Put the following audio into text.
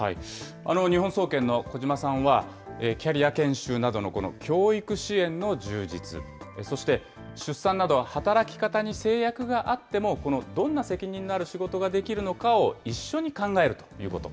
日本総研の小島さんは、キャリア研修などの教育支援の充実、そして、出産など働き方に制約があっても、どんな責任がある仕事ができるのかを一緒に考えるということ。